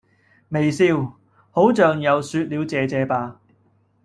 微笑...好像又說了謝謝吧